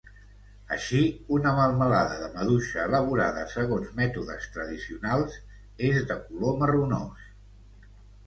Així, una melmelada de maduixa elaborada segons mètodes tradicionals és de color marronós.